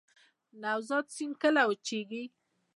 نوزاد سیند کله وچیږي؟